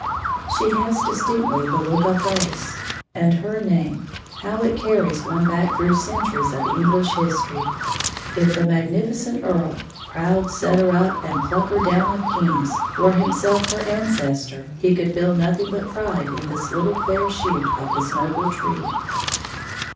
She has distinctly the look of race, and her name, how it carries one back through centuries of English history! If the magnificent earl, "proud setter up and plucker down of kings" were himself her ancestor, he could feel nothing but pride in this fair little shoot of his noble tree.